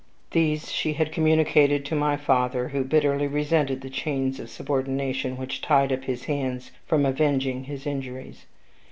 These she had communicated to my father, who bitterly resented the chains of subordination which tied up his hands from avenging his injuries.